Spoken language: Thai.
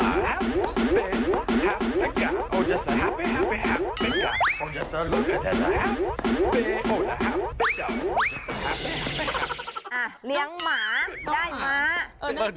เลี้ยงหมาได้หมา